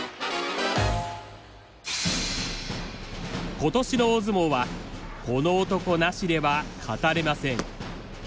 今年の大相撲はこの男なしでは語れません。